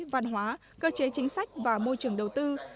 văn hóa cơ chế chính sách và môi trường đầu tư